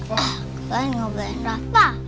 wah keban ngobelin rafa